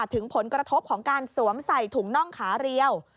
ถึงผลกระทบของการสวมใส่ถุงน่องขาเรียว